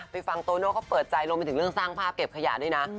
ฟังโตโน่เขาเปิดใจรวมไปถึงเรื่องสร้างภาพเก็บขยะด้วยนะ